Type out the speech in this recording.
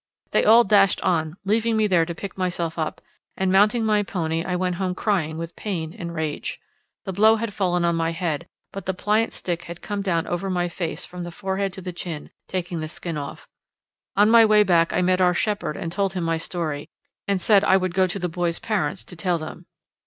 They all dashed on, leaving me there to pick myself up, and mounting my pony I went home crying with pain and rage. The blow had fallen on my head, but the pliant stick had come down over my face from the forehead to the chin, taking the skin off. On my way back I met our shepherd and told him my story, and said I would go to the boy's parents to tell them.